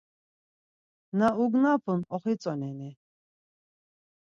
Na ugnapun oxitzoneni?